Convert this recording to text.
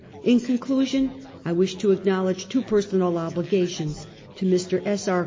In conclusion, I wish to acknowledge two personal obligations : to Mr. S. R.